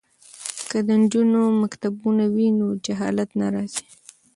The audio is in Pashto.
که د نجونو مکتبونه وي نو جهالت نه راځي.